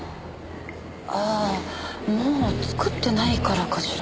ああもう作ってないからかしら。